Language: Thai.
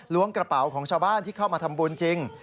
กระเป๋าของชาวบ้านที่เข้ามาทำบุญจริง